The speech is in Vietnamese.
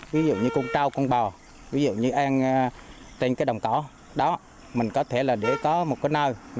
ví dụ như con trao con bò ví dụ như ăn trên cái đồng cỏ đó mình có thể là để có một cái nơi